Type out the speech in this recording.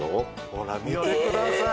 ほら見てください！